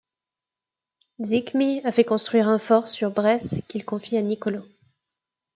Zichmni fait construire un fort sur Bres qu'il confie à Nicolò.